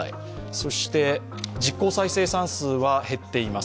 そして実効再生産数は減っています。